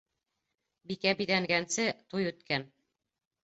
Бикә биҙәнгәнсе, туй үткән.